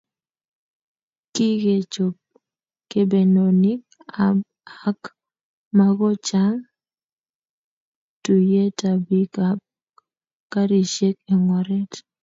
Kikechob kebenonik ak makochang tuiyet ab bik ak karisiek eng oret